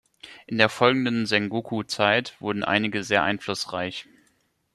In der folgenden Sengoku-Zeit wurden einige sehr einflussreich.